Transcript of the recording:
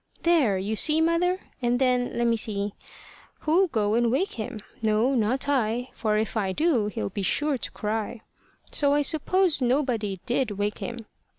There, you see, mother! And then, let me see Who'll go and wake him? No, not I; For if I do, he'll be sure to cry. So I suppose nobody did wake him.